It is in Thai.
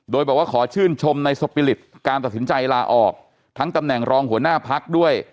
โดยบอกว่าขอชื่นชมในสปิลิตการตัดสินใจลาออกทั้งตำแหน่งรองหัวหน้าพักด้วย